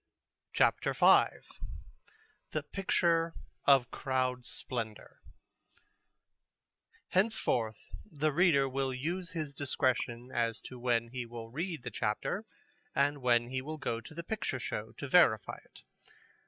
CHAPTER V THE PICTURE OF CROWD SPLENDOR Henceforth the reader will use his discretion as to when he will read the chapter and when he will go to the picture show to verify it.